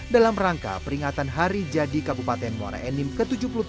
dalam rangka peringatan hari jadi kabupaten muara enim ke tujuh puluh tiga